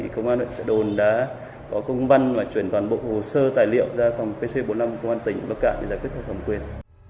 công an huyện chợ độ đã có công văn và chuyển toàn bộ hồ sơ tài liệu ra phòng pc bốn mươi năm công an tỉnh bắc cạn để giải quyết hợp thẩm quyền